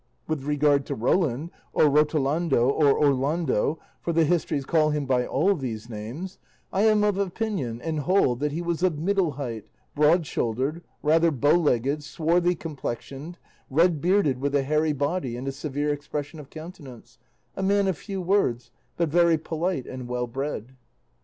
With regard to Roland, or Rotolando, or Orlando (for the histories call him by all these names), I am of opinion, and hold, that he was of middle height, broad shouldered, rather bow legged, swarthy complexioned, red bearded, with a hairy body and a severe expression of countenance, a man of few words, but very polite and well bred."